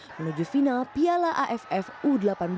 menuju final piala affu delapan belas dua ribu tujuh belas